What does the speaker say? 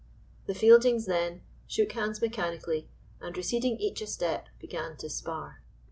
The Fieldings, then, shook hands mechanically, and receding each a step began to spar.